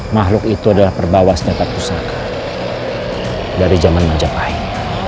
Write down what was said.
makhluk itu adalah perbawah setiap pusaka dari zaman majapahit